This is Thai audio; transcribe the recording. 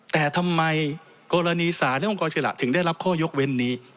แต่ทำไมกรณีศาลและองค์กรอิสระถึงได้รับข้อยกเว้นนี้